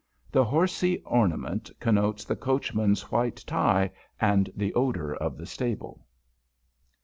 The horsy ornament connotes the coachman's white tie and the odor of the stable.